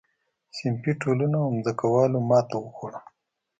صنفي ټولنو او ځمکوالو ماتې وخوړه.